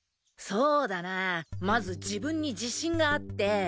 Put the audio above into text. そうだなぁまず自分に自信があって。